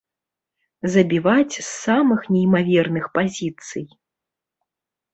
Забіваць з самых неймаверных пазіцый.